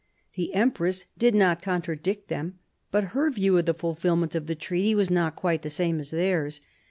The empress did not contradict them, but her view of the fulfilment of the treaty was not quite the same as theirs.